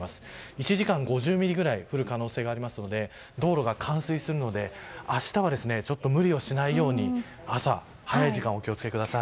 １時間５０ミリぐらい降る可能性がありますので道路が冠水するので明日は無理しないように朝、早い時間お気を付けください。